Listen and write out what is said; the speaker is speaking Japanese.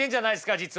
実は。